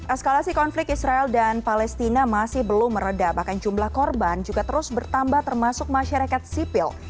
eskalasi konflik israel dan palestina masih belum meredah bahkan jumlah korban juga terus bertambah termasuk masyarakat sipil